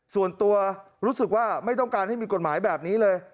ส่วนตัวรู้สึกว่าไม่ต้องการให้มีกฎหมายแบบนี้เลย